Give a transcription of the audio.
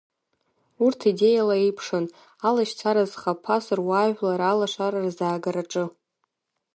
Урҭ идеиала еиԥшын, алашьцара зхаԥаз руаажәлар алашара рзаагараҿы.